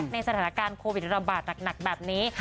ในสถานการณ์โควิดระบาดหนักแบบนี้